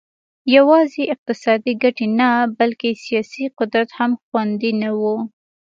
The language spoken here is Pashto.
یوازې اقتصادي ګټې نه بلکې سیاسي قدرت هم خوندي نه و